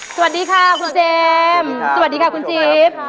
สวัสดีค่ะคุณเจมส์สวัสดีค่ะคุณจิ๊บ